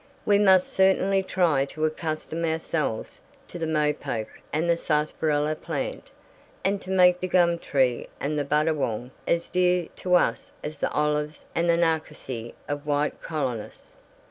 We must certainly try to accustom ourselves to the mopoke and the sarsaparilla plant, and to make the gum tree and the buddawong as dear to us as the olives and the narcissi of white Colonus.